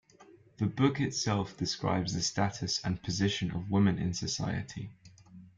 The book itself describes the status and position of women in society.